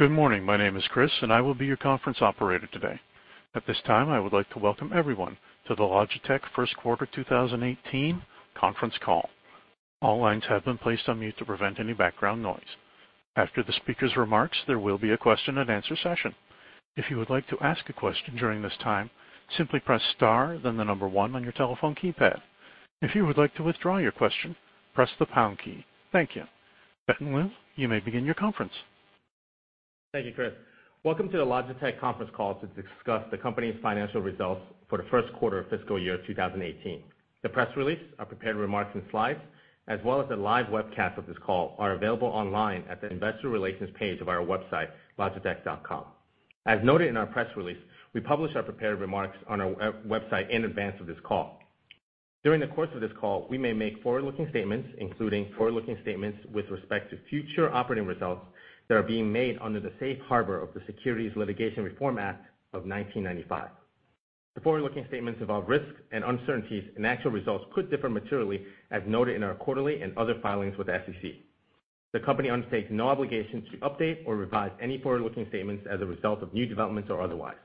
Good morning. My name is Chris, and I will be your conference operator today. At this time, I would like to welcome everyone to the Logitech first quarter 2018 conference call. All lines have been placed on mute to prevent any background noise. After the speaker's remarks, there will be a question and answer session. If you would like to ask a question during this time, simply press star, then the number 1 on your telephone keypad. If you would like to withdraw your question, press the pound key. Thank you. Ben Lu, you may begin your conference. Thank you, Chris. Welcome to the Logitech conference call to discuss the company's financial results for the first quarter of FY 2018. The press release, our prepared remarks and slides, as well as the live webcast of this call, are available online at the investor relations page of our website, logitech.com. As noted in our press release, we publish our prepared remarks on our website in advance of this call. During the course of this call, we may make forward-looking statements, including forward-looking statements with respect to future operating results that are being made under the safe harbor of the Private Securities Litigation Reform Act of 1995. The forward-looking statements involve risks and uncertainties, and actual results could differ materially as noted in our quarterly and other filings with the SEC. The company undertakes no obligation to update or revise any forward-looking statements as a result of new developments or otherwise.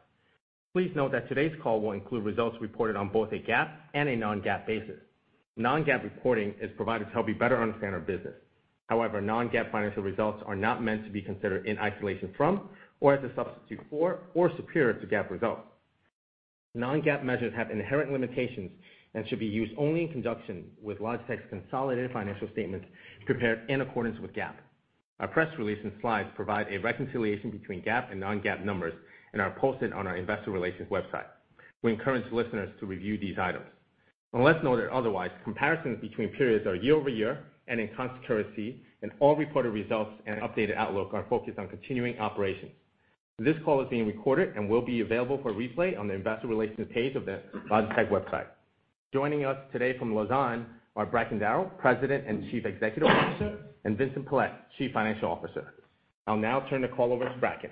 Please note that today's call will include results reported on both a GAAP and a non-GAAP basis. Non-GAAP reporting is provided to help you better understand our business. However, non-GAAP financial results are not meant to be considered in isolation from, or as a substitute for, or superior to GAAP results. Non-GAAP measures have inherent limitations and should be used only in conjunction with Logitech's consolidated financial statements prepared in accordance with GAAP. Our press release and slides provide a reconciliation between GAAP and non-GAAP numbers and are posted on our investor relations website. We encourage listeners to review these items. Unless noted otherwise, comparisons between periods are year-over-year and in constancy, all reported results and updated outlook are focused on continuing operations. This call is being recorded and will be available for replay on the investor relations page of the Logitech website. Joining us today from Lausanne are Bracken Darrell, President and Chief Executive Officer, and Vincent Pilette, Chief Financial Officer. I'll now turn the call over to Bracken.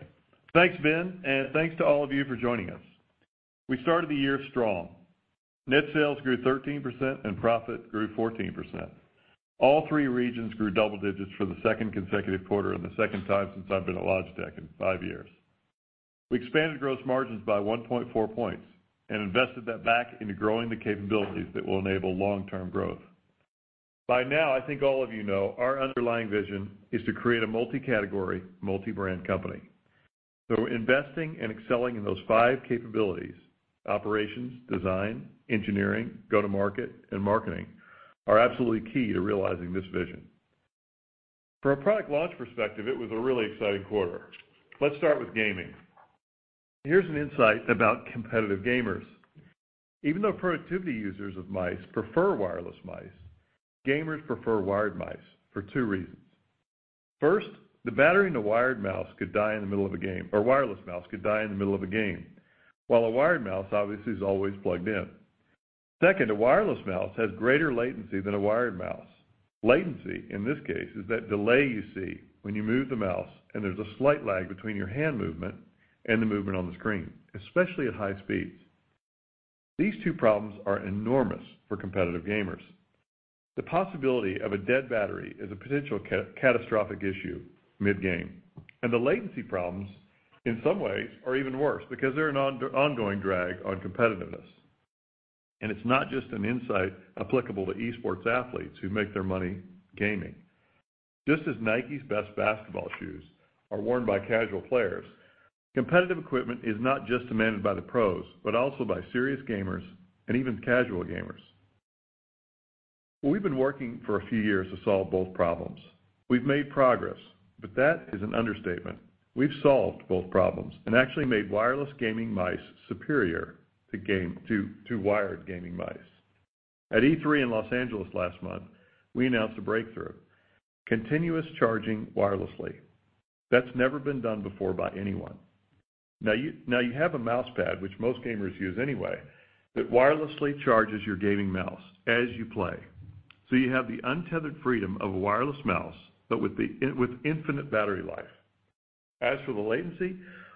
Thanks, Ben, and thanks to all of you for joining us. We started the year strong. Net sales grew 13% and profit grew 14%. All three regions grew double digits for the second consecutive quarter and the second time since I've been at Logitech in five years. We expanded gross margins by 1.4 points and invested that back into growing the capabilities that will enable long-term growth. By now, I think all of you know our underlying vision is to create a multi-category, multi-brand company. Investing and excelling in those five capabilities, operations, design, engineering, go-to-market, and marketing, are absolutely key to realizing this vision. From a product launch perspective, it was a really exciting quarter. Let's start with gaming. Here's an insight about competitive gamers. Even though productivity users of mice prefer wireless mice, gamers prefer wired mice for two reasons. First, the battery in a wired mouse could die in the middle of a game, or wireless mouse could die in the middle of a game, while a wired mouse obviously is always plugged in. Second, a wireless mouse has greater latency than a wired mouse. Latency, in this case, is that delay you see when you move the mouse and there's a slight lag between your hand movement and the movement on the screen, especially at high speeds. These two problems are enormous for competitive gamers. The possibility of a dead battery is a potential catastrophic issue mid-game. The latency problems, in some ways, are even worse because they're an ongoing drag on competitiveness. It's not just an insight applicable to esports athletes who make their money gaming. Just as Nike's best basketball shoes are worn by casual players, competitive equipment is not just demanded by the pros, but also by serious gamers and even casual gamers. We've been working for a few years to solve both problems. We've made progress, but that is an understatement. We've solved both problems and actually made wireless gaming mice superior to wired gaming mice. At E3 in Los Angeles last month, we announced a breakthrough, continuous charging wirelessly. That's never been done before by anyone. Now, you have a mouse pad, which most gamers use anyway, that wirelessly charges your gaming mouse as you play. You have the untethered freedom of a wireless mouse, but with infinite battery life. As for the latency,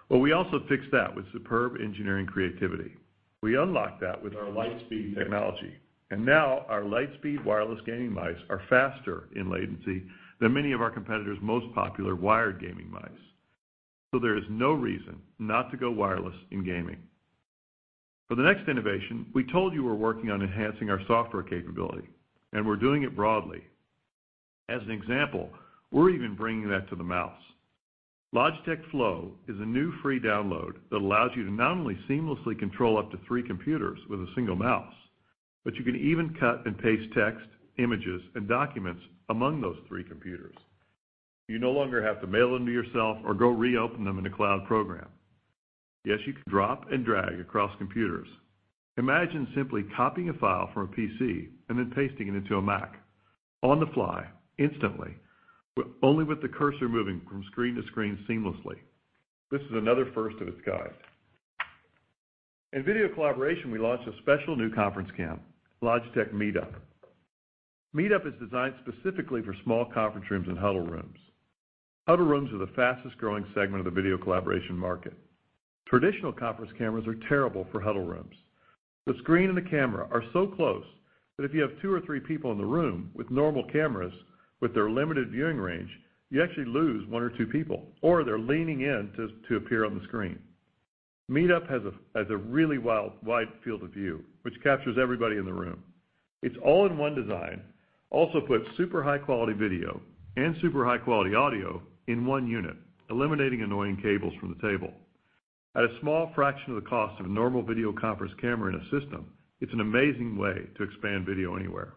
well, we also fixed that with superb engineering creativity. We unlocked that with our LIGHTSPEED technology, now our LIGHTSPEED wireless gaming mice are faster in latency than many of our competitors' most popular wired gaming mice. There is no reason not to go wireless in gaming. For the next innovation, we told you we're working on enhancing our software capability, we're doing it broadly. As an example, we're even bringing that to the mouse. Logitech Flow is a new free download that allows you to not only seamlessly control up to three computers with a single mouse, but you can even cut and paste text, images, and documents among those three computers. You no longer have to mail them to yourself or go reopen them in a cloud program. Yes, you can drop and drag across computers. Imagine simply copying a file from a PC and then pasting it into a Mac on the fly instantly, only with the cursor moving from screen to screen seamlessly. This is another first of its kind. In video collaboration, we launched a special new conference cam, Logitech MeetUp. MeetUp is designed specifically for small conference rooms and huddle rooms. Huddle rooms are the fastest-growing segment of the video collaboration market. Traditional conference cameras are terrible for huddle rooms. The screen and the camera are so close that if you have two or three people in the room with normal cameras, with their limited viewing range, you actually lose one or two people, or they're leaning in to appear on the screen. MeetUp has a really wide field of view, which captures everybody in the room. Its all-in-one design also puts super high-quality video and super high-quality audio in one unit, eliminating annoying cables from the table. At a small fraction of the cost of a normal video conference camera in a system, it's an amazing way to expand video anywhere.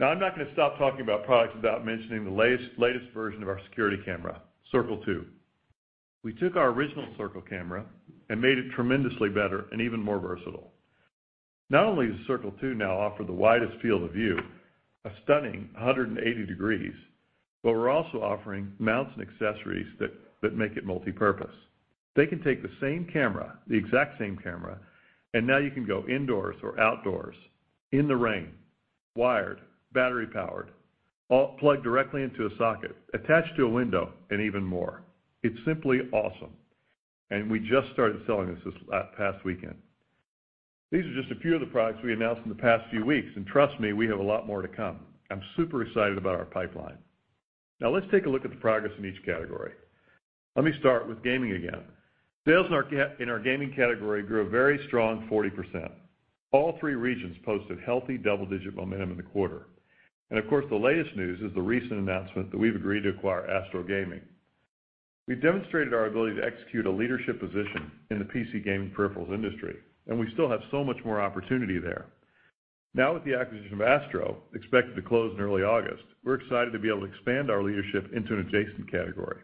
I'm not going to stop talking about products without mentioning the latest version of our security camera, Circle 2. We took our original Circle camera and made it tremendously better and even more versatile. Not only does Circle 2 now offer the widest field of view, a stunning 180 degrees, but we're also offering mounts and accessories that make it multipurpose. They can take the same camera, the exact same camera, and now you can go indoors or outdoors, in the rain, wired, battery-powered, all plugged directly into a socket, attached to a window, and even more. It's simply awesome, we just started selling this this past weekend. These are just a few of the products we announced in the past few weeks, Trust me, we have a lot more to come. I'm super excited about our pipeline. Let's take a look at the progress in each category. Let me start with gaming again. Sales in our gaming category grew a very strong 40%. All three regions posted healthy double-digit momentum in the quarter. Of course, the latest news is the recent announcement that we've agreed to acquire Astro Gaming. We demonstrated our ability to execute a leadership position in the PC gaming peripherals industry, we still have so much more opportunity there. With the acquisition of Astro, expected to close in early August, we're excited to be able to expand our leadership into an adjacent category,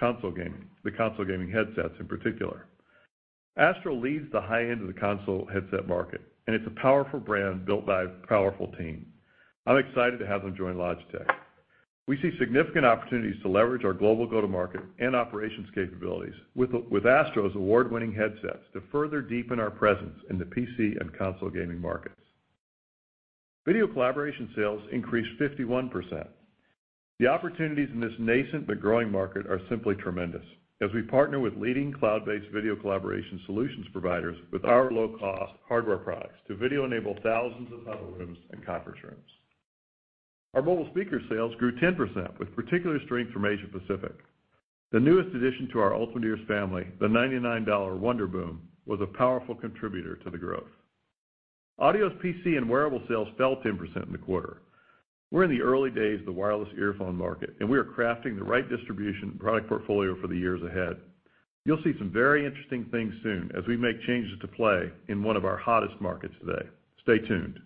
console gaming, the console gaming headsets in particular. Astro leads the high-end of the console headset market, It's a powerful brand built by a powerful team. I'm excited to have them join Logitech. We see significant opportunities to leverage our global go-to-market and operations capabilities, with Astro's award-winning headsets to further deepen our presence in the PC and console gaming markets. Video collaboration sales increased 51%. The opportunities in this nascent but growing market are simply tremendous as we partner with leading cloud-based video collaboration solutions providers with our low-cost hardware products to video enable thousands of huddle rooms and conference rooms. Our mobile speaker sales grew 10%, with particular strength from Asia Pacific. The newest addition to our Ultimate Ears family, the $99 WONDERBOOM, was a powerful contributor to the growth. Audio's PC and wearable sales fell 10% in the quarter. We're in the early days of the wireless earphone market, we are crafting the right distribution and product portfolio for the years ahead. You'll see some very interesting things soon as we make changes to play in one of our hottest markets today. Stay tuned.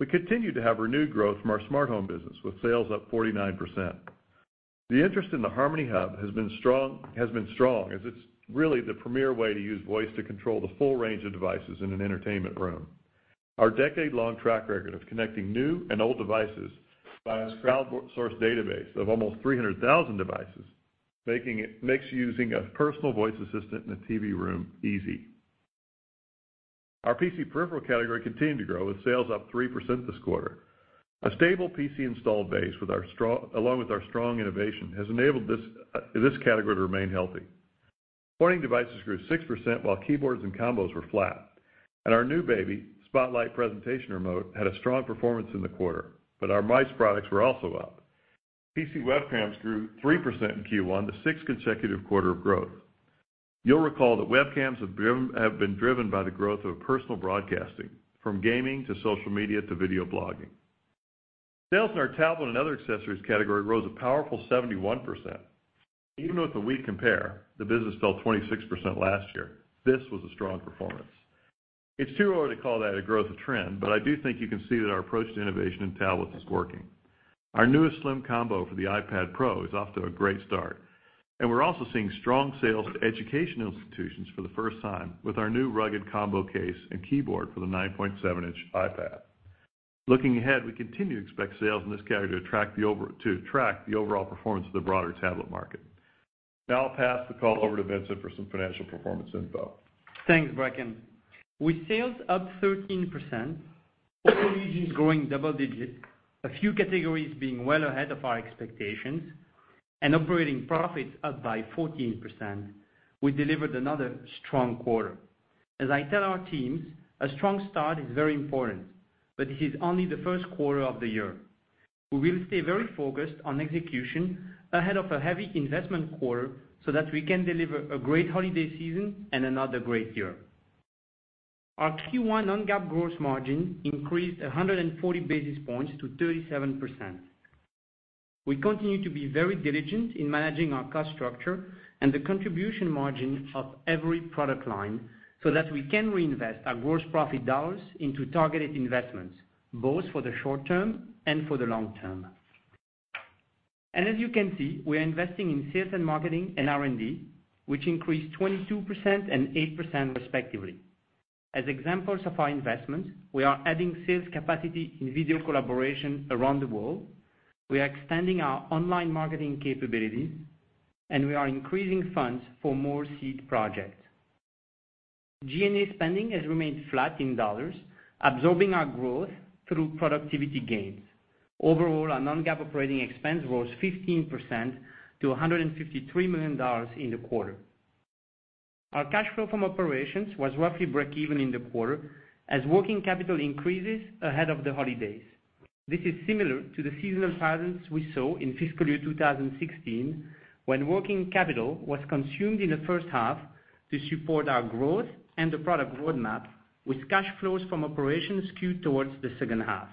We continue to have renewed growth from our smart home business, with sales up 49%. The interest in the Harmony Hub has been strong as it's really the premier way to use voice to control the full range of devices in an entertainment room. Our decade-long track record of connecting new and old devices by a crowd-sourced database of almost 300,000 devices, makes using a personal voice assistant in a TV room easy. Our PC peripheral category continued to grow, with sales up 3% this quarter. A stable PC installed base, along with our strong innovation, has enabled this category to remain healthy. Pointing devices grew 6%, while keyboards and combos were flat, our new baby, Spotlight Presentation Remote, had a strong performance in the quarter. Our mice products were also up. PC webcams grew 3% in Q1, the sixth consecutive quarter of growth. You'll recall that webcams have been driven by the growth of personal broadcasting, from gaming to social media to video blogging. Sales in our tablet and other accessories category rose a powerful 71%. Even with a weak compare, the business fell 26% last year. This was a strong performance. It's too early to call that a growth, a trend, I do think you can see that our approach to innovation in tablets is working. Our newest Slim Combo for the iPad Pro is off to a great start, we're also seeing strong sales to educational institutions for the first time with our new Rugged Combo case and keyboard for the 9.7-inch iPad. Looking ahead, we continue to expect sales in this category to track the overall performance of the broader tablet market. Now I'll pass the call over to Vincent for some financial performance info. Thanks, Bracken. With sales up 13%, all regions growing double digits, a few categories being well ahead of our expectations, operating profits up by 14%, we delivered another strong quarter. As I tell our teams, a strong start is very important, it is only the first quarter of the year. We will stay very focused on execution ahead of a heavy investment quarter so that we can deliver a great holiday season and another great year. Our Q1 non-GAAP gross margin increased 140 basis points to 37%. We continue to be very diligent in managing our cost structure and the contribution margin of every product line so that we can reinvest our gross profit dollars into targeted investments, both for the short term and for the long term. As you can see, we are investing in sales and marketing and R&D, which increased 22% and 8% respectively. As examples of our investment, we are adding sales capacity in video collaboration around the world, we are extending our online marketing capabilities, and we are increasing funds for more seed projects. G&A spending has remained flat in dollars, absorbing our growth through productivity gains. Overall, our non-GAAP operating expense rose 15% to $153 million in the quarter. Our cash flow from operations was roughly breakeven in the quarter as working capital increases ahead of the holidays. This is similar to the seasonal patterns we saw in fiscal year 2016, when working capital was consumed in the first half to support our growth and the product roadmap, with cash flows from operations skewed towards the second half.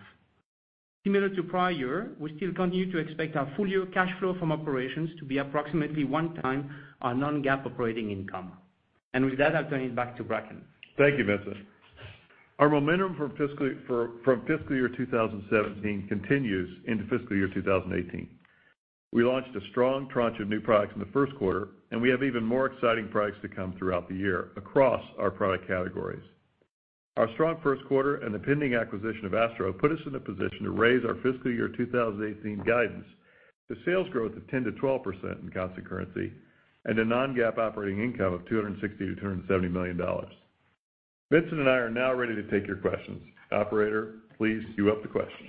Similar to prior year, we still continue to expect our full-year cash flow from operations to be approximately one time our non-GAAP operating income. With that, I'll turn it back to Bracken. Thank you, Vincent. Our momentum from fiscal year 2017 continues into fiscal year 2018. We launched a strong tranche of new products in the first quarter, we have even more exciting products to come throughout the year across our product categories. Our strong first quarter and the pending acquisition of Astro put us in a position to raise our fiscal year 2018 guidance to sales growth of 10%-12% in constant currency and a non-GAAP operating income of $260 million-$270 million. Vincent and I are now ready to take your questions. Operator, please queue up the questions.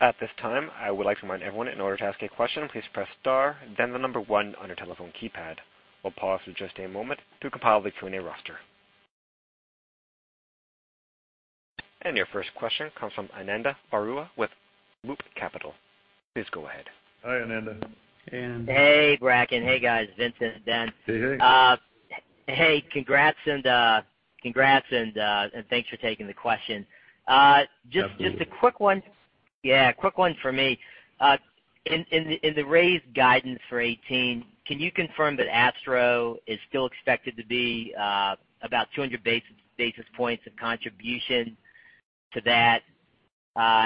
At this time, I would like to remind everyone, in order to ask a question, please press star then the number one on your telephone keypad. We'll pause for just a moment to compile the Q&A roster. Your first question comes from Ananda Baruah with Loop Capital. Please go ahead. Hi, Ananda. Ananda. Hey, Bracken. Hey, guys, Vincent, Ben. Hey. Hey, congrats and thanks for taking the question. Absolutely. Just a quick one for me. In the raised guidance for 2018, can you confirm that Astro is still expected to be about 200 basis points of contribution to that?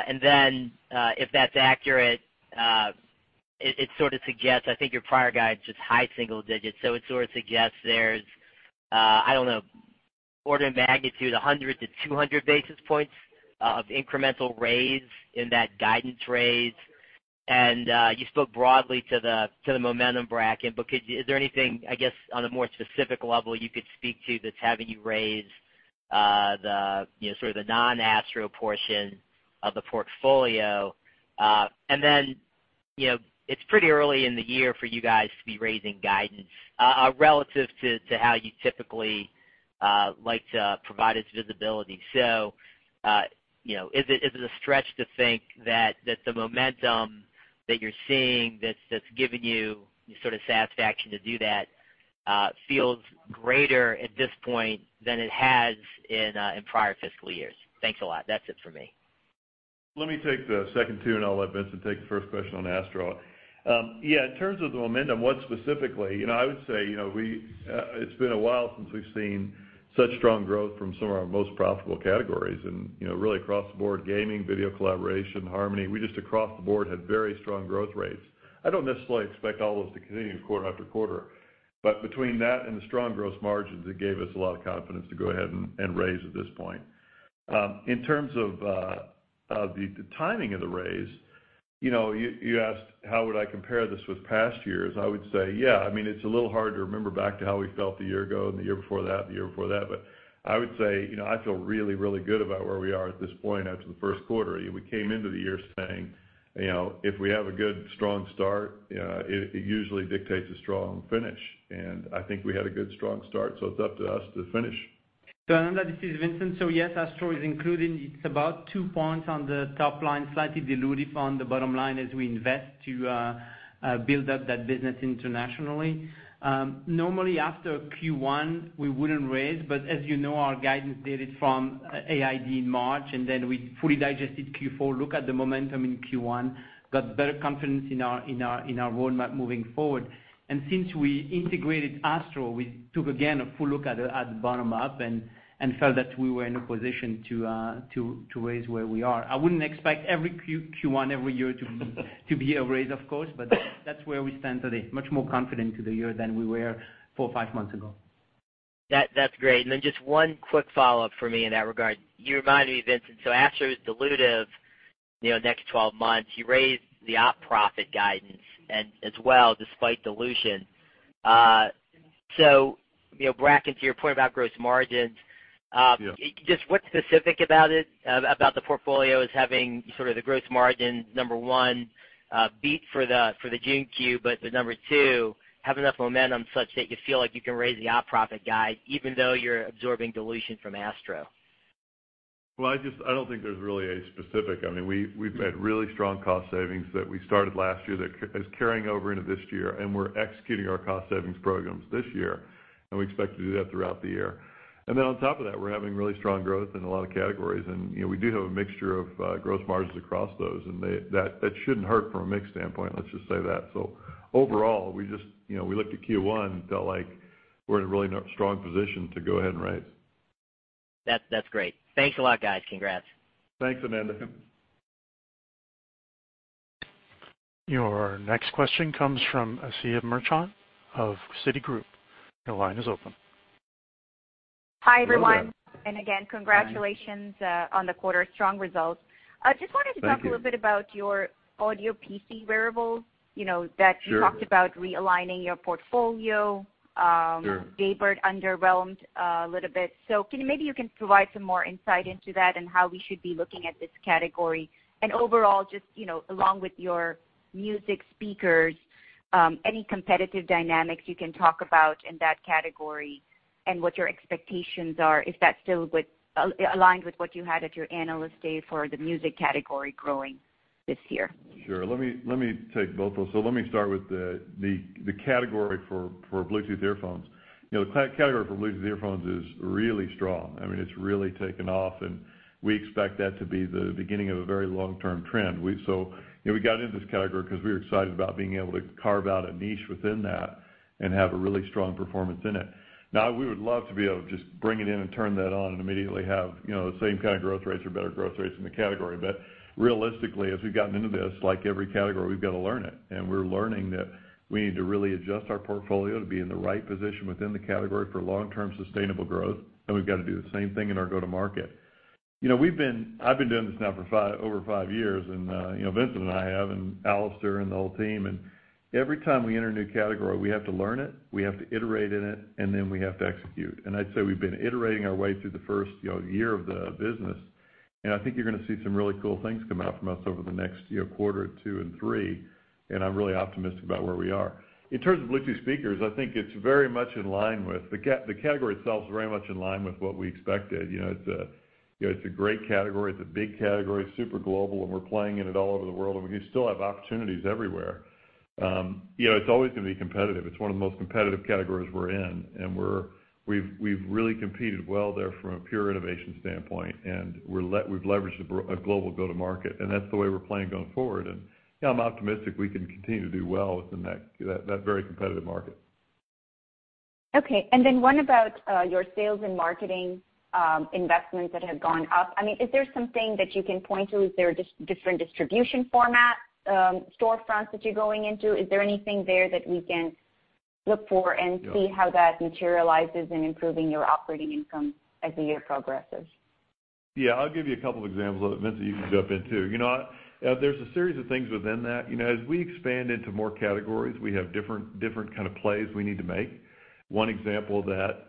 If that's accurate, it sort of suggests, I think your prior guidance was high single digits, so it sort of suggests there's, I don't know, order of magnitude 100 to 200 basis points of incremental raise in that guidance raise. You spoke broadly to the momentum, Bracken, but is there anything, I guess, on a more specific level you could speak to that's having you raise the sort of the non-Astro portion of the portfolio? It's pretty early in the year for you guys to be raising guidance relative to how you typically like to provide us visibility. Is it a stretch to think that the momentum that you're seeing that's giving you sort of satisfaction to do that feels greater at this point than it has in prior fiscal years? Thanks a lot. That's it for me. Let me take the second two, and I'll let Vincent take the first question on Astro. Yeah, in terms of the momentum, what specifically, I would say, it's been a while since we've seen such strong growth from some of our most profitable categories and really across the board, gaming, video collaboration, Harmony, we just across the board had very strong growth rates. I don't necessarily expect all of those to continue quarter after quarter, but between that and the strong gross margins, it gave us a lot of confidence to go ahead and raise at this point. In terms of the timing of the raise, you asked how would I compare this with past years. I would say, yeah, it's a little hard to remember back to how we felt a year ago and the year before that, the year before that, but I would say, I feel really, really good about where we are at this point after the first quarter. We came into the year saying, "If we have a good, strong start, it usually dictates a strong finish." I think we had a good, strong start, it's up to us to finish. Ananda, this is Vincent. Yes, Astro is included. It's about 2 points on the top line, slightly dilutive on the bottom line as we invest to build up that business internationally. Normally after Q1, we wouldn't raise, but as you know, our guidance dated from AID in March, then we fully digested Q4, look at the momentum in Q1, got better confidence in our roadmap moving forward. Since we integrated Astro, we took again a full look at the bottom up and felt that we were in a position to raise where we are. I wouldn't expect every Q1 every year to be a raise, of course, but that's where we stand today. Much more confident to the year than we were four or five months ago. That's great. Just one quick follow-up for me in that regard. You remind me, Vincent, Astro is dilutive next 12 months. You raised the op profit guidance as well, despite dilution. Bracken, to your point about gross margins. Yeah What's specific about it, about the portfolio as having sort of the gross margin, number one, beat for the June Q, but the number two, have enough momentum such that you feel like you can raise the op profit guide even though you're absorbing dilution from Astro? Well, I don't think there's really a specific. We've made really strong cost savings that we started last year that is carrying over into this year, and we're executing our cost savings programs this year, and we expect to do that throughout the year. On top of that, we're having really strong growth in a lot of categories, and we do have a mixture of gross margins across those, and that shouldn't hurt from a mix standpoint, let's just say that. Overall, we looked at Q1 and felt like we're in a really strong position to go ahead and raise. That's great. Thanks a lot, guys. Congrats. Thanks, Ananda. Your next question comes from Asiya Merchant of Citigroup. Your line is open. Hi, everyone. Hi, Asiya. Again, congratulations on the quarter strong results. Thank you. Just wanted to talk a little bit about your audio PC wearables, that you talked about realigning your portfolio. Sure. Jaybird underwhelmed a little bit. Maybe you can provide some more insight into that and how we should be looking at this category. Overall, just along with your music speakers, any competitive dynamics you can talk about in that category and what your expectations are, if that's still aligned with what you had at your Analyst Day for the music category growing this year. Let me take both those. Let me start with the category for Bluetooth earphones. The category for Bluetooth earphones is really strong. I mean, it's really taken off, and we expect that to be the beginning of a very long-term trend. We got into this category because we were excited about being able to carve out a niche within that and have a really strong performance in it. Now, we would love to be able to just bring it in and turn that on and immediately have the same kind of growth rates or better growth rates in the category. Realistically, as we've gotten into this, like every category, we've got to learn it. We're learning that we need to really adjust our portfolio to be in the right position within the category for long-term sustainable growth. We've got to do the same thing in our go-to-market. I've been doing this now for over five years, Vincent and I have, Alastair and the whole team, every time we enter a new category, we have to learn it, we have to iterate in it, then we have to execute. I'd say we've been iterating our way through the first year of the business. I think you're going to see some really cool things come out from us over the next quarter, two, and three, I'm really optimistic about where we are. In terms of Bluetooth speakers, I think the category itself is very much in line with what we expected. It's a great category. It's a big category, super global, we're playing in it all over the world, we still have opportunities everywhere. It's always going to be competitive. It's one of the most competitive categories we're in, we've really competed well there from a pure innovation standpoint, we've leveraged a global go-to-market, that's the way we're playing going forward. I'm optimistic we can continue to do well within that very competitive market. Okay, what about your sales and marketing investments that have gone up? Is there something that you can point to? Is there a different distribution format, storefronts that you're going into? Is there anything there that we can look for and see how that materializes in improving your operating income as the year progresses? I'll give you a couple of examples of it. Vincent, you can jump in, too. There's a series of things within that. As we expand into more categories, we have different kind of plays we need to make. One example that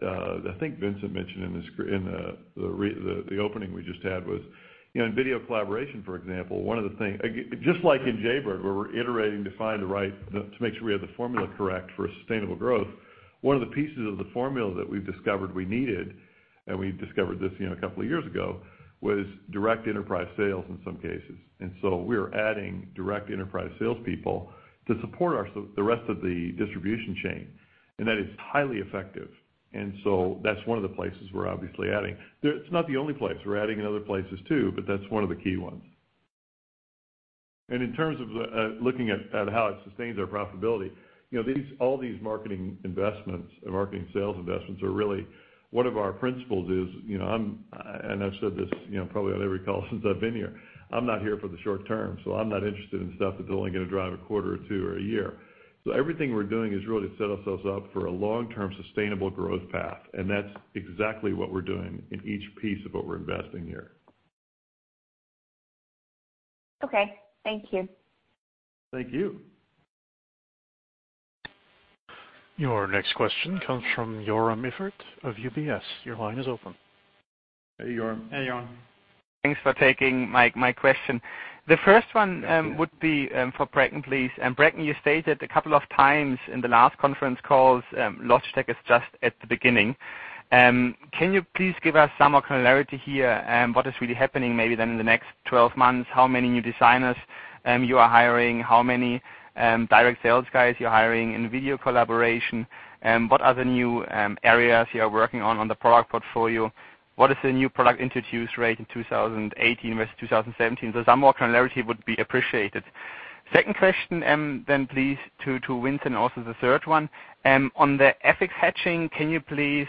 I think Vincent mentioned in the opening we just had was in video collaboration, for example, just like in Jaybird, where we're iterating to make sure we have the formula correct for sustainable growth, one of the pieces of the formula that we've discovered we needed, and we discovered this a couple of years ago, was direct enterprise sales in some cases. We are adding direct enterprise salespeople to support the rest of the distribution chain, and that is highly effective. That's one of the places we're obviously adding. It's not the only place. We're adding in other places, too, but that's one of the key ones. In terms of looking at how it sustains our profitability, all these marketing sales investments are really, one of our principles is, and I've said this probably on every call since I've been here, I'm not here for the short term, I'm not interested in stuff that's only going to drive a quarter or two or a year. Everything we're doing is really to set ourselves up for a long-term, sustainable growth path, and that's exactly what we're doing in each piece of what we're investing here. Okay. Thank you. Thank you. Your next question comes from Joern Iffert of UBS. Your line is open. Hey, Joern. Hey, Joern. Thanks for taking my question. The first one would be for Bracken, please. Bracken, you stated a couple of times in the last conference calls, Logitech is just at the beginning. Can you please give us some more clarity here, and what is really happening maybe in the next 12 months, how many new designers you are hiring, how many direct sales guys you're hiring in video collaboration, and what other new areas you are working on the product portfolio? What is the new product introduce rate in 2018 versus 2017? Some more clarity would be appreciated. Second question please, to Vincent, also the third one. On the FX hedging, can you please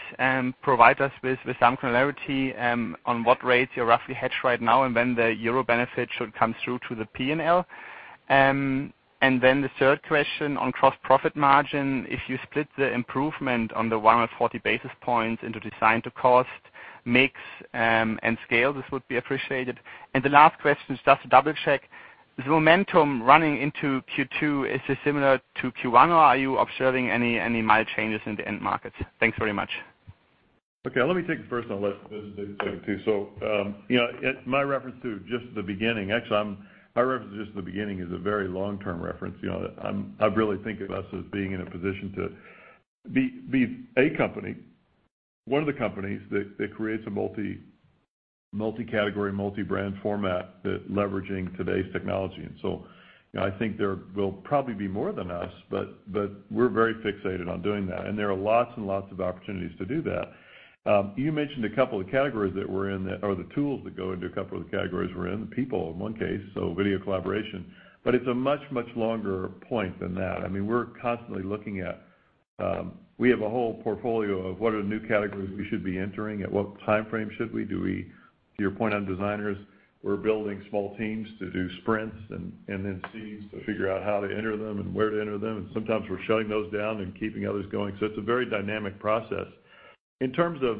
provide us with some clarity on what rates you roughly hedge right now and when the Euro benefit should come through to the P&L? The third question on gross profit margin, if you split the improvement on the 140 basis points into design to cost, mix, and scale, this would be appreciated. The last question is just to double-check, the momentum running into Q2, is it similar to Q1, or are you observing any mild changes in the end markets? Thanks very much. Okay, let me take the first and I'll let Vincent take the second two. My reference to just the beginning, actually, my reference to just the beginning is a very long-term reference. I really think of us as being in a position to be a company, one of the companies that creates a multi-category, multi-brand format that leveraging today's technology. I think there will probably be more than us, but we're very fixated on doing that. There are lots and lots of opportunities to do that. You mentioned a couple of categories that we're in, or the tools that go into a couple of the categories we're in, the people in one case, so video collaboration, but it's a much, much longer point than that. We're constantly looking at, we have a whole portfolio of what are the new categories we should be entering? At what time frame should we? To your point on designers, we're building small teams to do sprints and then seeds to figure out how to enter them and where to enter them. Sometimes we're shutting those down and keeping others going. It's a very dynamic process. In terms of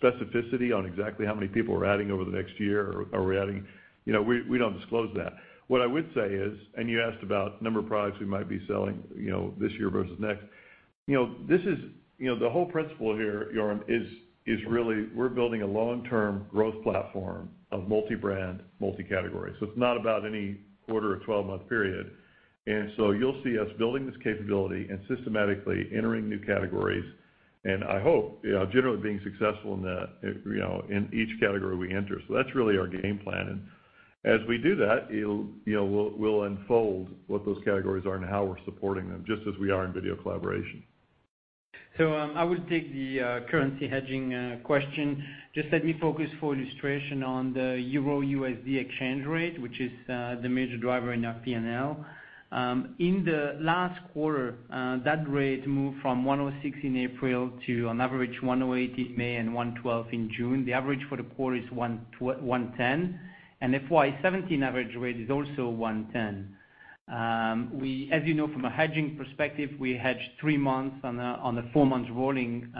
specificity on exactly how many people we're adding over the next year, we don't disclose that. What I would say is, you asked about number of products we might be selling this year versus next. The whole principle here, Joern, is really we're building a long-term growth platform of multi-brand, multi-category. It's not about any quarter or 12-month period. You'll see us building this capability and systematically entering new categories. I hope, generally being successful in that, in each category we enter. That's really our game plan. As we do that, we'll unfold what those categories are and how we're supporting them, just as we are in video collaboration. I will take the currency hedging question. Just let me focus for illustration on the euro-USD exchange rate, which is the major driver in our P&L. In the last quarter, that rate moved from 106 in April to an average 108 in May and 112 in June. The average for the quarter is 110, and FY 2017 average rate is also 110. As you know from a hedging perspective, we hedge three months on the four-month rolling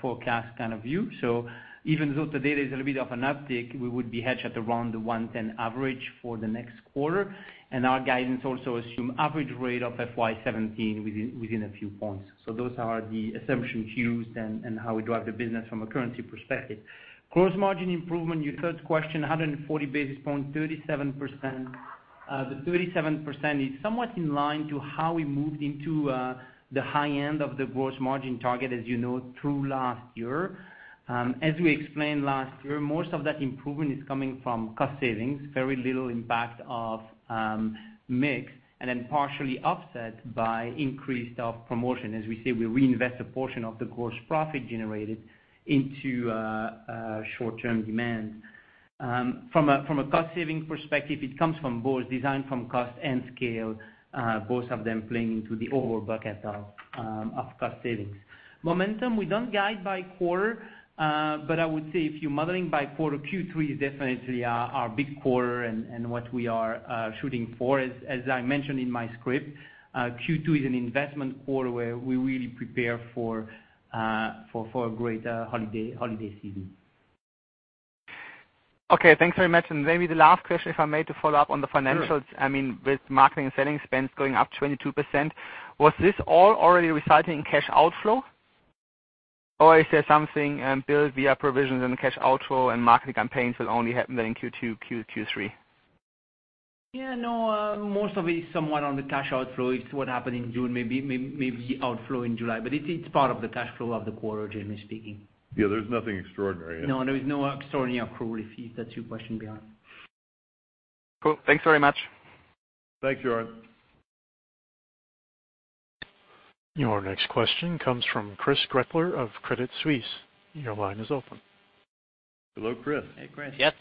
forecast kind of view. Even though today there's a little bit of an uptick, we would be hedged at around 110 average for the next quarter. Our guidance also assume average rate of FY 2017 within a few points. Those are the assumptions used and how we drive the business from a currency perspective. Gross margin improvement, your third question, 140 basis points, 37%. The 37% is somewhat in line to how we moved into the high end of the gross margin target, as you know, through last year. As we explained last year, most of that improvement is coming from cost savings, very little impact of mix, and then partially offset by increased of promotion. As we say, we reinvest a portion of the gross profit generated into short-term demand. From a cost-saving perspective, it comes from both design to cost and scale, both of them playing into the overall bucket of cost savings. Momentum, we don't guide by quarter, but I would say if you modeling by quarter, Q3 is definitely our big quarter and what we are shooting for. As I mentioned in my script, Q2 is an investment quarter where we really prepare for a greater holiday season. Okay. Thanks very much. Maybe the last question, if I may, to follow up on the financials- Sure with marketing and selling expense going up 22%, was this all already resulting in cash outflow? Or is there something built via provisions and cash outflow and marketing campaigns will only happen then in Q2, Q3? Yeah, no, most of it is somewhat on the cash outflow. It's what happened in June, maybe outflow in July. It's part of the cash flow of the quarter, generally speaking. Yeah, there's nothing extraordinary. No, there is no extraordinary accrual, if that's your question, Joern. Cool. Thanks very much. Thanks, Joern. Your next question comes from Chris Gretler of Credit Suisse. Your line is open. Hello, Chris. Hey, Chris. Yes.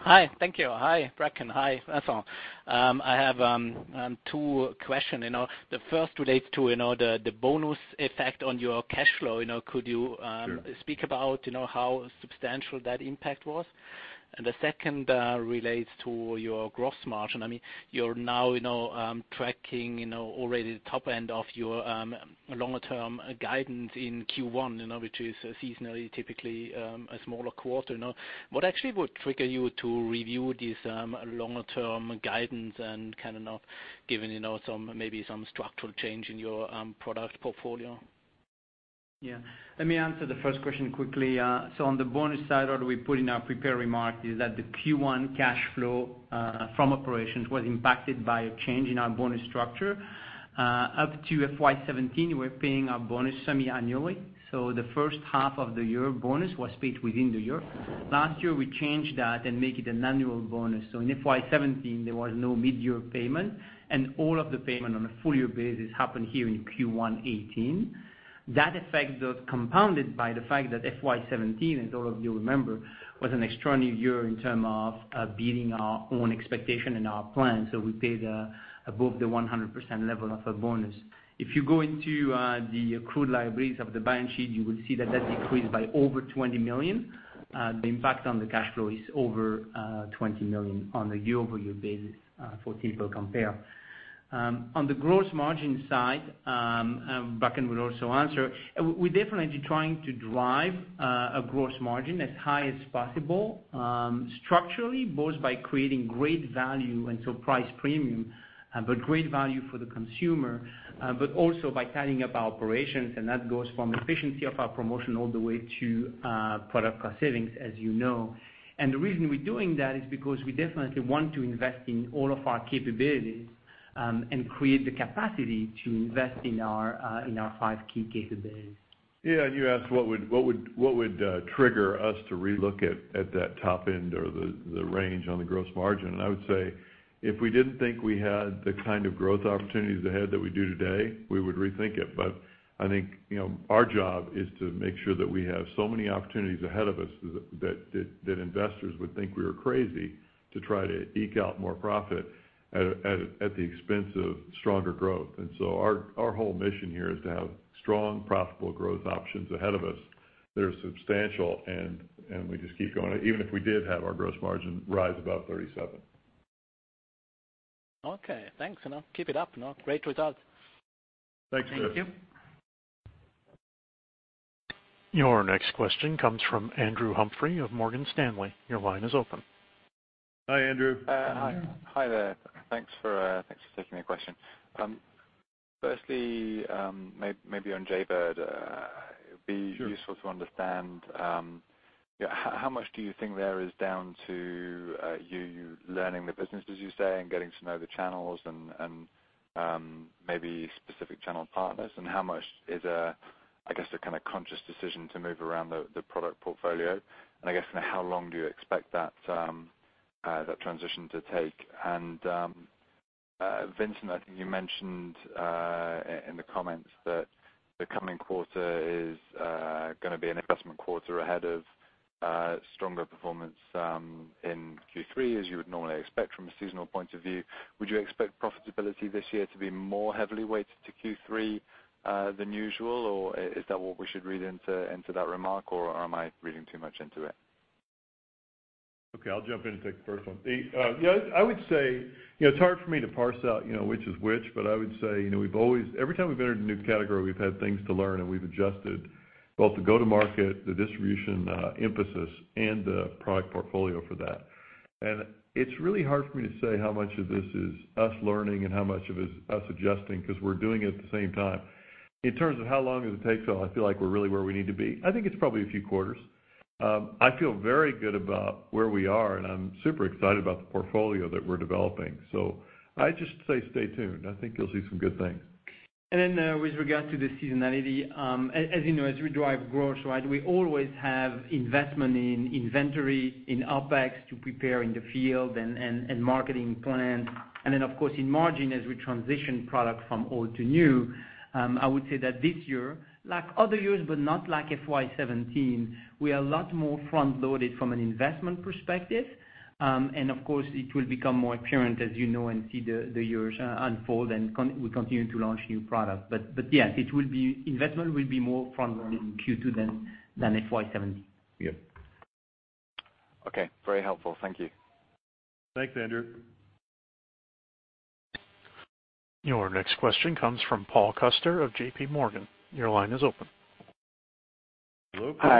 Hi. Thank you. Hi, Bracken. Hi, Vincent. I have two question. The first relates to the bonus effect on your cash flow. Could you- Sure speak about how substantial that impact was? The second relates to your gross margin. You're now tracking already the top end of your longer-term guidance in Q1, which is seasonally typically a smaller quarter. What actually would trigger you to review this longer-term guidance and kind of now giving maybe some structural change in your product portfolio? Let me answer the first question quickly. On the bonus side, what we put in our prepared remarks is that the Q1 cash flow from operations was impacted by a change in our bonus structure. Up to FY 2017, we were paying our bonus semi-annually. The first half of the year bonus was paid within the year. Last year, we changed that and make it an annual bonus. In FY 2017, there was no mid-year payment, and all of the payment on a full-year basis happened here in Q1 2018. That effect got compounded by the fact that FY 2017, as all of you remember, was an extraordinary year in term of beating our own expectation and our plan. We paid above the 100% level of a bonus. If you go into the accrued liabilities of the balance sheet, you would see that that decreased by over $20 million. The impact on the cash flow is over $20 million on a year-over-year basis for people compare. On the gross margin side, Bracken will also answer, we're definitely trying to drive a gross margin as high as possible structurally, both by creating great value and so price premium, but great value for the consumer. Also by cutting up our operations, and that goes from efficiency of our promotion all the way to product cost savings, as you know. The reason we're doing that is because we definitely want to invest in all of our capabilities and create the capacity to invest in our five key capabilities. Yeah, you asked what would trigger us to relook at that top end or the range on the gross margin. I would say, if we didn't think we had the kind of growth opportunities ahead that we do today, we would rethink it. I think our job is to make sure that we have so many opportunities ahead of us that investors would think we were crazy to try to eke out more profit at the expense of stronger growth. Our whole mission here is to have strong, profitable growth options ahead of us that are substantial, and we just keep going, even if we did have our gross margin rise above 37%. Okay, thanks. Keep it up. Great result. Thanks, Chris. Thank you. Your next question comes from Andrew Humphrey of Morgan Stanley. Your line is open. Hi, Andrew. Hi there. Thanks for taking my question. Firstly, maybe on Jaybird- Sure it'd be useful to understand how much do you think there is down to you learning the business, as you say, and getting to know the channels and maybe specific channel partners? How much is a conscious decision to move around the product portfolio? How long do you expect that transition to take? Vincent, I think you mentioned in the comments that the coming quarter is going to be an investment quarter ahead of stronger performance in Q3, as you would normally expect from a seasonal point of view. Would you expect profitability this year to be more heavily weighted to Q3 than usual? Is that what we should read into that remark, or am I reading too much into it? Okay. I'll jump in and take the first one. It's hard for me to parse out which is which, but I would say every time we've entered a new category, we've had things to learn, and we've adjusted both the go-to-market, the distribution emphasis, and the product portfolio for that. It's really hard for me to say how much of this is us learning and how much of it is us adjusting because we're doing it at the same time. In terms of how long does it take till I feel like we're really where we need to be, I think it's probably a few quarters. I feel very good about where we are, and I'm super excited about the portfolio that we're developing. I just say stay tuned. I think you'll see some good things. With regard to the seasonality, as you know, as we drive growth, we always have investment in inventory, in OpEx to prepare in the field and marketing plans. Then, of course, in margin, as we transition product from old to new, I would say that this year, like other years, but not like FY 2017, we are a lot more front-loaded from an investment perspective. Of course, it will become more apparent as you know and see the years unfold and we continue to launch new products. Yes, investment will be more front-loaded in Q2 than FY 2017. Yeah. Okay. Very helpful. Thank you. Thanks, Andrew. Your next question comes from Paul Coster of JP Morgan. Your line is open. Hello, Paul.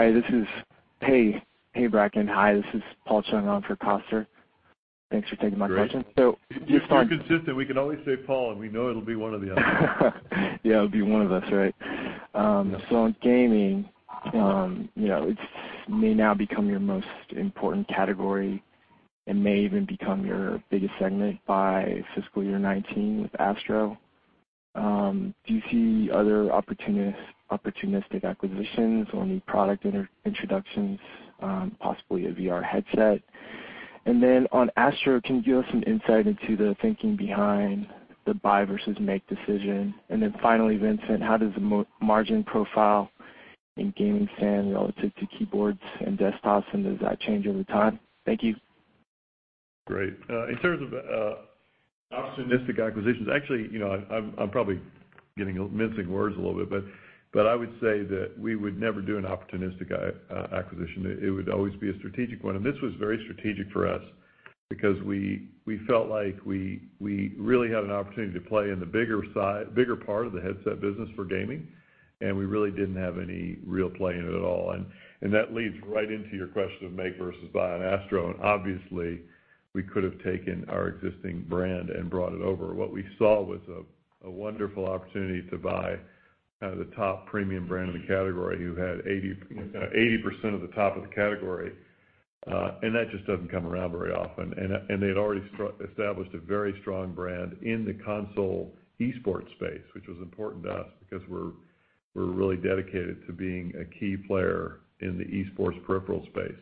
Hi. Hey, Bracken. Hi, this is Paul Chung on for Coster. Thanks for taking my question. Great. If you're consistent, we can always say Paul, and we know it'll be one of the others. Yeah, it'll be one of us, right? Yes. On gaming, it may now become your most important category and may even become your biggest segment by FY 2019 with Astro. Do you see other opportunistic acquisitions or new product introductions, possibly a VR headset? On Astro, can you give us some insight into the thinking behind the buy versus make decision? Finally, Vincent, how does the margin profile in gaming stand relative to keyboards and desktops, and does that change over time? Thank you. Great. In terms of opportunistic acquisitions, actually, I'm probably mincing words a little bit, but I would say that we would never do an opportunistic acquisition. It would always be a strategic one, and this was very strategic for us because we felt like we really had an opportunity to play in the bigger part of the headset business for gaming, and we really didn't have any real play in it at all. That leads right into your question of make versus buy on Astro, and obviously, we could have taken our existing brand and brought it over. What we saw was a wonderful opportunity to buy the top premium brand in the category, who had 80% of the top of the category, and that just doesn't come around very often. They'd already established a very strong brand in the console esports space, which was important to us because we're really dedicated to being a key player in the esports peripheral space.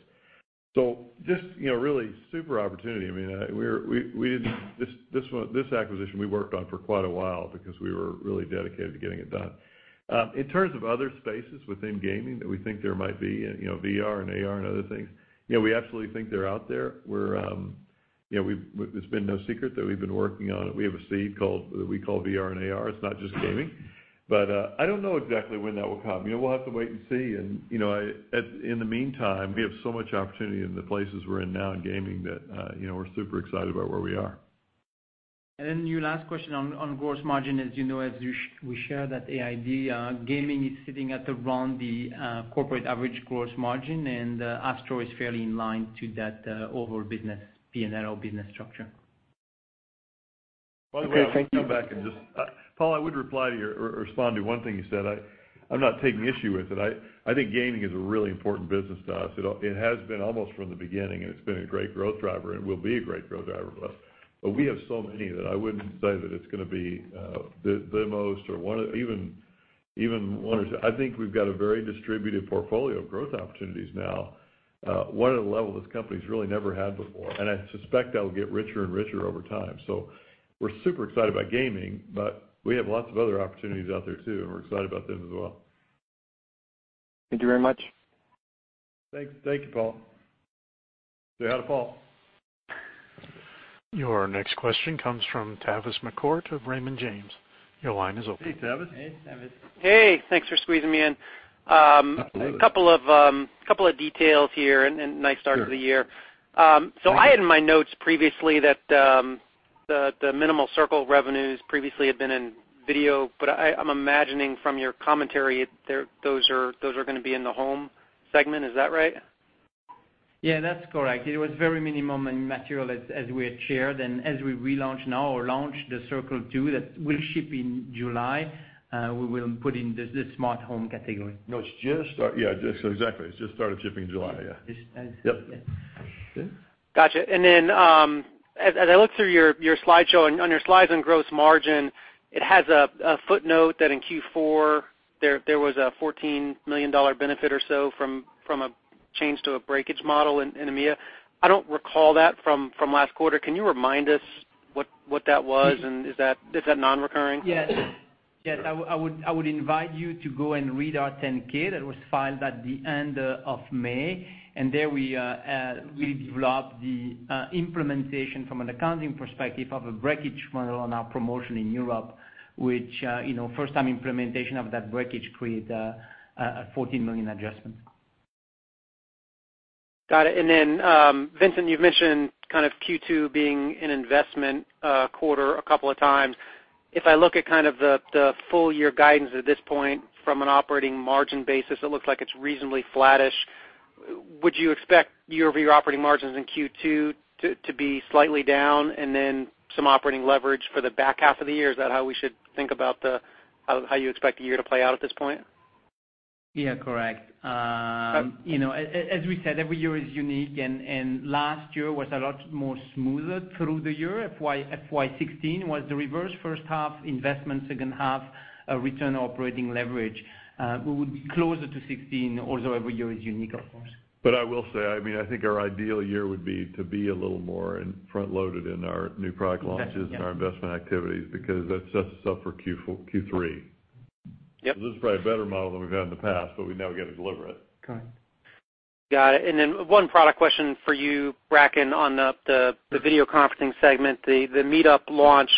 Just really super opportunity. This acquisition we worked on for quite a while because we were really dedicated to getting it done. In terms of other spaces within gaming that we think there might be in VR and AR and other things, we absolutely think they're out there. It's been no secret that we've been working on it. We have a seed that we call VR and AR. It's not just gaming. I don't know exactly when that will come. We'll have to wait and see, and in the meantime, we have so much opportunity in the places we're in now in gaming that we're super excited about where we are. Your last question on gross margin. As you know, as we share that AID, gaming is sitting at around the corporate average gross margin, and Astro is fairly in line to that overall P&L business structure. Okay, thank you. By the way, I'll come back Paul, I would reply to you or respond to one thing you said. I'm not taking issue with it. I think gaming is a really important business to us. It has been almost from the beginning, and it's been a great growth driver, and will be a great growth driver for us. We have so many that I wouldn't say that it's going to be the most or even one or two. I think we've got a very distributed portfolio of growth opportunities now, one at a level this company's really never had before, and I suspect that'll get richer and richer over time. We're super excited about gaming, but we have lots of other opportunities out there too, and we're excited about them as well. Thank you very much. Thank you, Paul. Say hi to Paul. Your next question comes from Tavis McCourt of Raymond James. Your line is open. Hey, Tavis. Hey, Tavis. Hey, thanks for squeezing me in. Absolutely. A couple of details here, and nice start to the year. I had in my notes previously that the minimal Circle revenues previously had been in video, but I'm imagining from your commentary, those are going to be in the home segment. Is that right? Yeah, that's correct. It was very minimum in material as we had shared, and as we relaunch now or launch the Circle 2 that will ship in July, we will put in the smart home category. No, it's just. Yeah, exactly. It just started shipping in July, yeah. Yes. Yep. Got you. As I looked through your slideshow, on your slides on gross margin, it has a footnote that in Q4 there was a $14 million benefit or so from a change to a breakage model in EMEA. I don't recall that from last quarter. Can you remind us what that was, and is that non-recurring? Yes. I would invite you to go and read our 10-K that was filed at the end of May, there we developed the implementation from an accounting perspective of a breakage model on our promotion in Europe, which first time implementation of that breakage create a $14 million adjustment. Got it. Vincent, you've mentioned Q2 being an investment quarter a couple of times. If I look at the full year guidance at this point from an operating margin basis, it looks like it's reasonably flattish. Would you expect year-over-year operating margins in Q2 to be slightly down and then some operating leverage for the back half of the year? Is that how we should think about how you expect the year to play out at this point? Yeah, correct. As we said, every year is unique, and last year was a lot more smoother through the year. FY 2016 was the reverse, first half investment, second half return operating leverage. We would be closer to 2016, although every year is unique, of course. I will say, I think our ideal year would be to be a little more front-loaded in our new product launches and our investment activities because that sets us up for Q3. Yep. This is probably a better model than we've had in the past, but we now got to deliver it. Correct. Got it. One product question for you, Bracken, on the video conferencing segment, the MeetUp launch.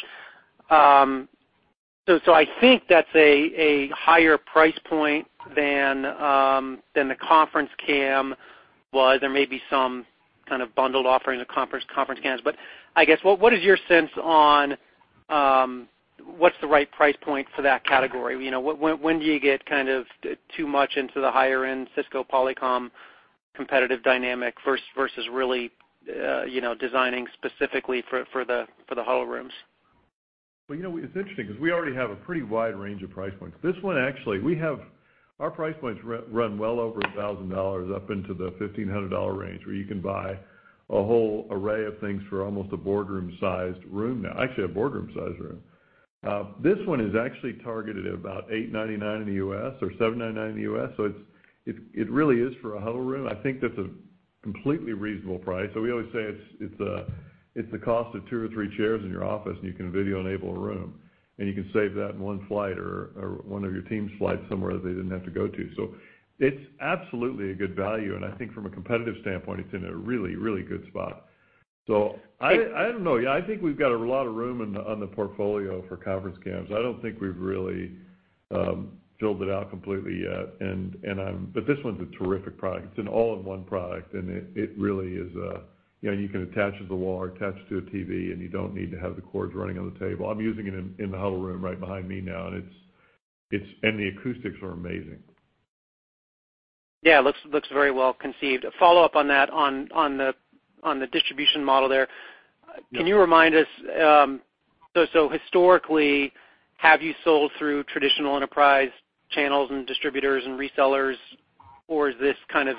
I think that's a higher price point than the ConferenceCam was. There may be some kind of bundled offering of ConferenceCams. I guess, what's your sense on what's the right price point for that category? When do you get too much into the higher-end Cisco, Polycom competitive dynamic versus really designing specifically for the huddle rooms? Well, it's interesting because we already have a pretty wide range of price points. This one actually, our price points run well over $1,000 up into the $1,500 range, where you can buy a whole array of things for almost a boardroom-sized room now, actually, a boardroom-sized room. This one is actually targeted at about $899 in the U.S. or $799 in the U.S., it really is for a huddle room. I think that's a completely reasonable price. We always say it's the cost of two or three chairs in your office, and you can video enable a room, and you can save that in one flight or one of your teams flights somewhere that they didn't have to go to. It's absolutely a good value, and I think from a competitive standpoint, it's in a really, really good spot. I don't know. Yeah, I think we've got a lot of room on the portfolio for ConferenceCams. I don't think we've really filled it out completely yet. This one's a terrific product. It's an all-in-one product, it really is. You can attach it to the wall or attach it to a TV, you don't need to have the cords running on the table. I'm using it in the huddle room right behind me now, and the acoustics are amazing. Yeah, it looks very well-conceived. A follow-up on that, on the distribution model there. Yeah. Can you remind us, historically, have you sold through traditional enterprise channels and distributors and resellers, or is this the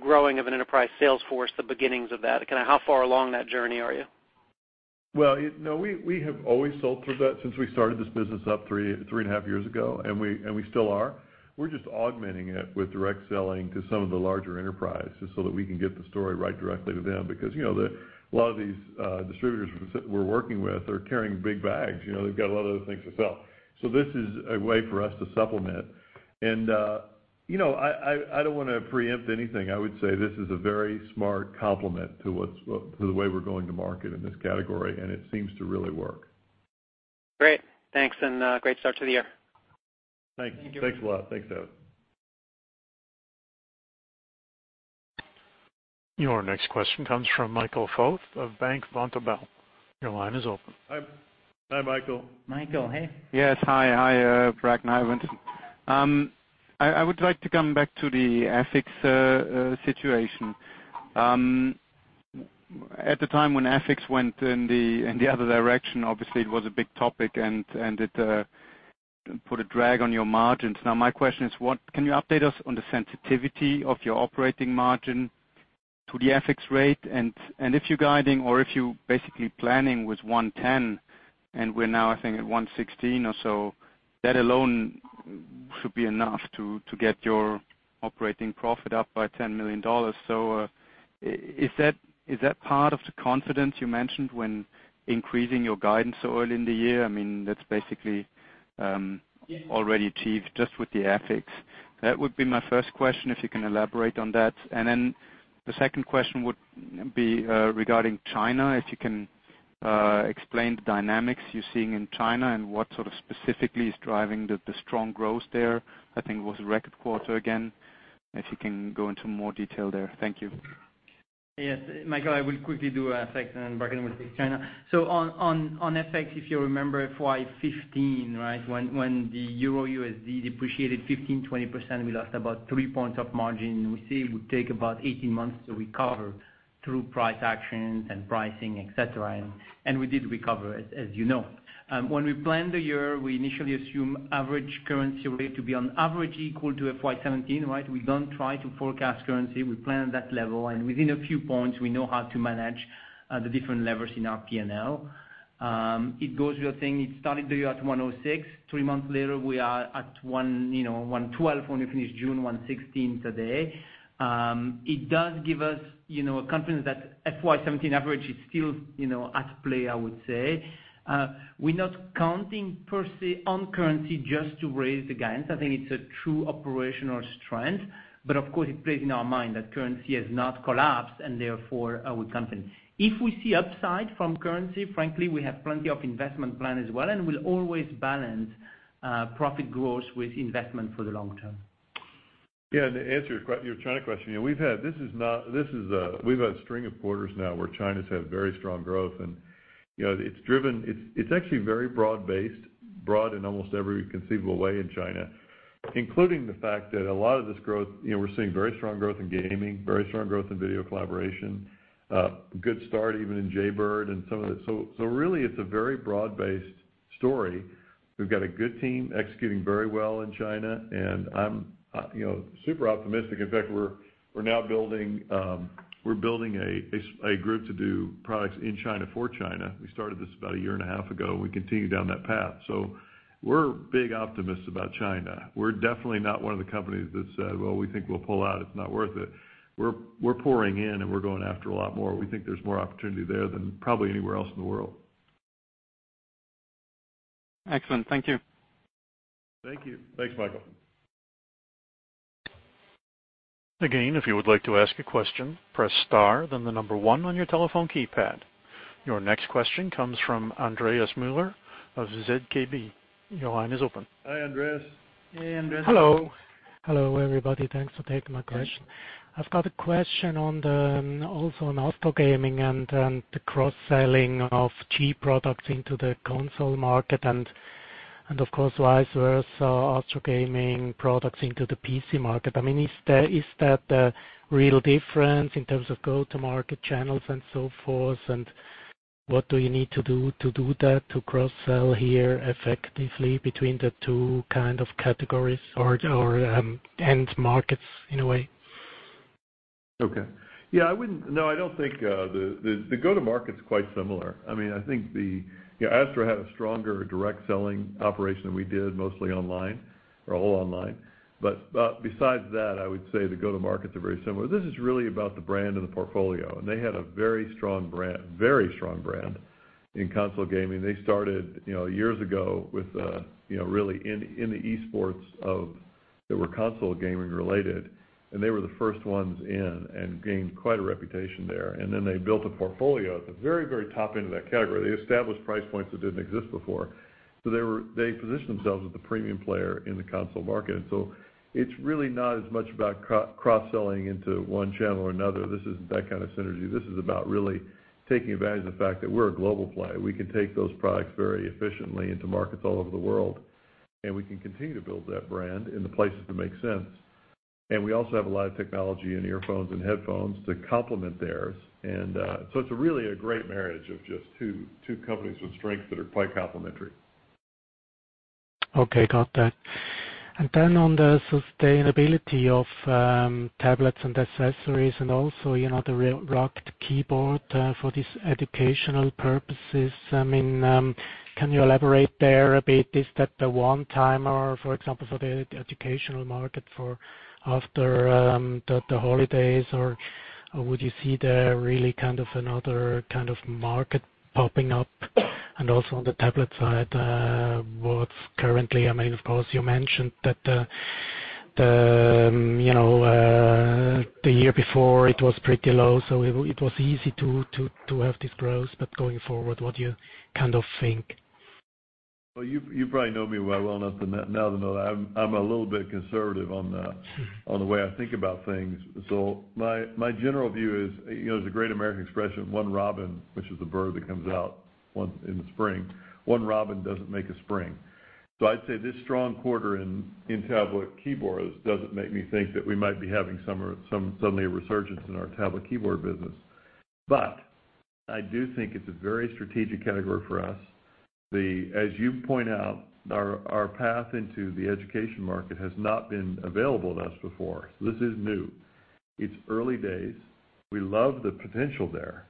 growing of an enterprise sales force, the beginnings of that? How far along that journey are you? No, we have always sold through that since we started this business up three and a half years ago. We still are. We're just augmenting it with direct selling to some of the larger enterprise, just so that we can get the story right directly to them. A lot of these distributors we're working with are carrying big bags. They've got a lot of other things to sell. This is a way for us to supplement. I don't want to preempt anything. I would say this is a very smart complement to the way we're going to market in this category, it seems to really work. Great. Thanks, and great start to the year. Thank you. Thank you. Thanks a lot. Thanks, David. Your next question comes from Michael Foeth of Bank Vontobel. Your line is open. Hi, Michael. Michael, hey. Hi, Bracken and Vincent. I would like to come back to the FX situation. At the time when FX went in the other direction, obviously it was a big topic, and it put a drag on your margins. Now my question is, can you update us on the sensitivity of your operating margin to the FX rate? If you're guiding or if you're basically planning with 110, and we're now, I think at 116 or so, that alone should be enough to get your operating profit up by $10 million. Is that part of the confidence you mentioned when increasing your guidance so early in the year? That's basically already achieved just with the FX. That would be my first question, if you can elaborate on that. The second question would be regarding China. If you can explain the dynamics you're seeing in China and what specifically is driving the strong growth there. I think it was a record quarter again, if you can go into more detail there. Thank you. Yes. Michael, I will quickly do FX and Bracken will take China. On FX, if you remember FY 2015, right, when the EUR-USD depreciated 15%-20%, we lost about three points of margin. We said it would take about 18 months to recover through price actions and pricing, et cetera. We did recover, as you know. When we planned the year, we initially assumed average currency rate to be on average equal to FY 2017, right? We don't try to forecast currency. We plan at that level and within a few points, we know how to manage the different levers in our P&L. It goes through a thing. It started the year at 106. Three months later, we are at 112 when we finish June, 116 today. It does give us confidence that FY 2017 average is still at play, I would say. We're not counting per se on currency just to raise the guidance. I think it's a true operational strength. Of course, it plays in our mind that currency has not collapsed and therefore our confidence. If we see upside from currency, frankly, we have plenty of investment plan as well, and we'll always balance profit growth with investment for the long term. To answer your China question, we've had a string of quarters now where China's had very strong growth. It's actually very broad-based, broad in almost every conceivable way in China, including the fact that a lot of this growth, we're seeing very strong growth in gaming, very strong growth in video collaboration, a good start even in Jaybird and some of it. Really, it's a very broad-based story. We've got a good team executing very well in China, and I'm super optimistic. In fact, we're now building a group to do products in China for China. We started this about a year and a half ago. We continue down that path. We're big optimists about China. We're definitely not one of the companies that said, "Well, we think we'll pull out. It's not worth it." We're pouring in and we're going after a lot more. We think there's more opportunity there than probably anywhere else in the world. Excellent. Thank you. Thank you. Thanks, Michael. Again, if you would like to ask a question, press star, then the number one on your telephone keypad. Your next question comes from Andreas Müller of ZKB. Your line is open. Hi, Andreas. Hey, Andreas. Hello. Hello, everybody. Thanks for taking my question. Yeah. I've got a question also on Astro Gaming and the cross-selling of cheap products into the console market and, of course, vice versa, Astro Gaming products into the PC market. Is that a real difference in terms of go-to-market channels and so forth? What do you need to do to do that, to cross-sell here effectively between the two kind of categories or end markets in a way? Okay. Yeah, the go-to-market's quite similar. Astro had a stronger direct selling operation than we did, mostly online or all online. Besides that, I would say the go-to-markets are very similar. This is really about the brand and the portfolio, and they had a very strong brand in console gaming. They started years ago with really in the esports that were console gaming related, and they were the first ones in and gained quite a reputation there. Then they built a portfolio at the very, very top end of that category. They established price points that didn't exist before. They positioned themselves as the premium player in the console market. It's really not as much about cross-selling into one channel or another. This isn't that kind of synergy. This is about really taking advantage of the fact that we're a global player. We can take those products very efficiently into markets all over the world, and we can continue to build that brand in the places that make sense. We also have a lot of technology in earphones and headphones to complement theirs. It's really a great marriage of just two companies with strengths that are quite complementary. Okay. Got that. Then on the sustainability of tablets and accessories and also the Rugged Combo for these educational purposes, can you elaborate there a bit? Is that the one-timer, for example, for the educational market for after the holidays? Would you see there really kind of another kind of market popping up? Also on the tablet side, what's currently, of course, you mentioned that the year before it was pretty low, so it was easy to have this growth. Going forward, what do you kind of think? Well, you probably know me well enough now to know that I'm a little bit conservative on the way I think about things. My general view is, there's a great American expression, one robin, which is a bird that comes out in the spring, one robin doesn't make a spring. I'd say this strong quarter in tablet keyboards doesn't make me think that we might be having suddenly a resurgence in our tablet keyboard business. I do think it's a very strategic category for us. As you point out, our path into the education market has not been available to us before. This is new. It's early days. We love the potential there.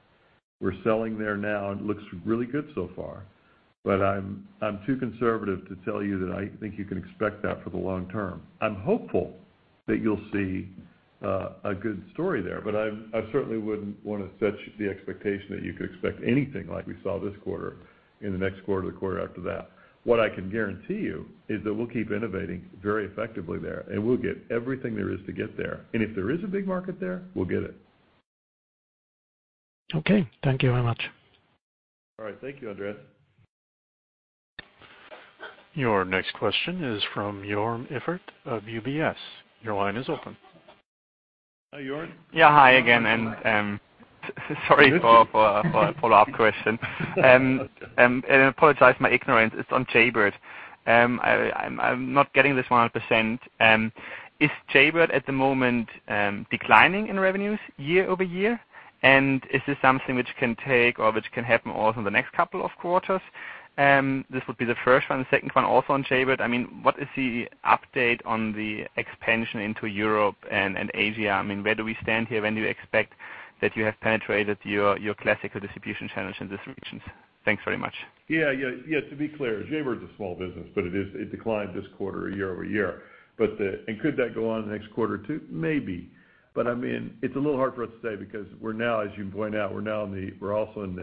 We're selling there now and it looks really good so far, but I'm too conservative to tell you that I think you can expect that for the long term. I'm hopeful that you'll see a good story there, but I certainly wouldn't want to set the expectation that you could expect anything like we saw this quarter in the next quarter or the quarter after that. What I can guarantee you is that we'll keep innovating very effectively there, and we'll get everything there is to get there. If there is a big market there, we'll get it. Okay. Thank you very much. All right. Thank you, Andreas. Your next question is from Joern Iffert of UBS. Your line is open. Hi, Joern. Yeah. Hi again, and sorry for a follow-up question. That's okay. I apologize for my ignorance, it's on Jaybird. I'm not getting this 100%. Is Jaybird at the moment declining in revenues year-over-year? Is this something which can take or which can happen also in the next couple of quarters? This would be the first one. The second one also on Jaybird, what is the update on the expansion into Europe and Asia? Where do we stand here? When do you expect that you have penetrated your classical distribution channels in these regions? Thanks very much. Yeah. To be clear, Jaybird's a small business, it declined this quarter year-over-year. Could that go on next quarter too? Maybe. It's a little hard for us to say because we're now, as you point out, we're also in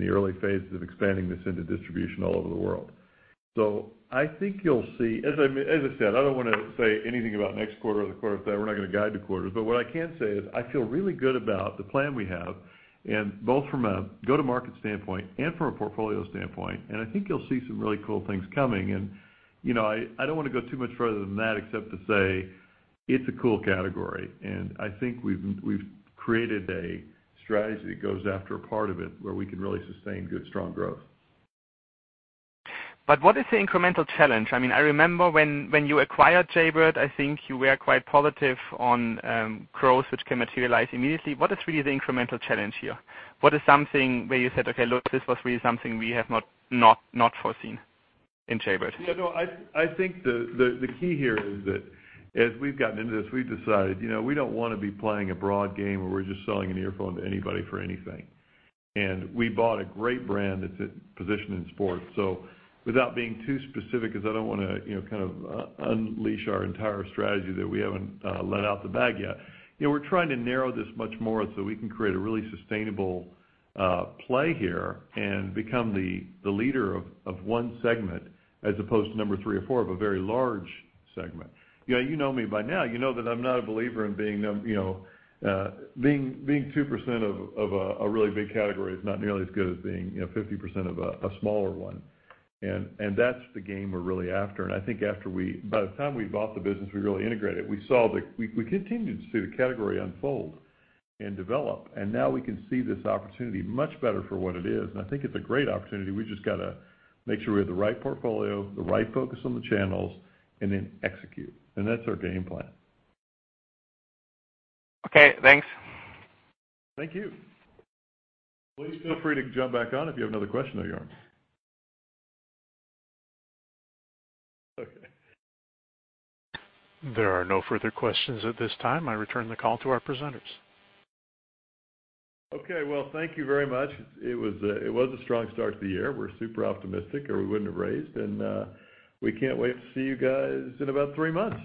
the early phases of expanding this into distribution all over the world. I think you'll see, as I said, I don't want to say anything about next quarter or the quarter after that. We're not going to guide to quarters. What I can say is I feel really good about the plan we have, both from a go-to-market standpoint and from a portfolio standpoint, and I think you'll see some really cool things coming. I don't want to go too much further than that except to say it's a cool category, and I think we've created a strategy that goes after a part of it where we can really sustain good, strong growth. What is the incremental challenge? I remember when you acquired Jaybird, I think you were quite positive on growth which can materialize immediately. What is really the incremental challenge here? What is something where you said, "Okay, look, this was really something we have not foreseen in Jaybird. Yeah, no, I think the key here is that as we've gotten into this, we've decided we don't want to be playing a broad game where we're just selling an earphone to anybody for anything. We bought a great brand that's positioned in sports. Without being too specific, because I don't want to kind of unleash our entire strategy that we haven't let out the bag yet, we're trying to narrow this much more so we can create a really sustainable play here and become the leader of one segment as opposed to number 3 or 4 of a very large segment. You know me by now. You know that I'm not a believer in being 2% of a really big category is not nearly as good as being 50% of a smaller one. That's the game we're really after. I think by the time we bought the business, we really integrated it, we continued to see the category unfold and develop, and now we can see this opportunity much better for what it is. I think it's a great opportunity. We've just got to make sure we have the right portfolio, the right focus on the channels, then execute. That's our game plan. Okay, thanks. Thank you. Please feel free to jump back on if you have another question there, Joern. Okay. There are no further questions at this time. I return the call to our presenters. Okay, well, thank you very much. It was a strong start to the year. We're super optimistic, or we wouldn't have raised, and we can't wait to see you guys in about three months.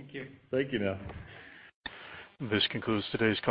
Thank you. Thank you now. This concludes today's call.